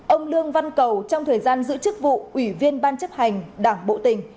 ông lương văn cầu trong thời gian giữ chức vụ ủy viên ban chấp hành đảng bộ tỉnh